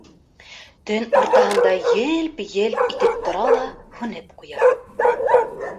Төн уртаһында елп-елп итеп тора ла һүнеп ҡуя.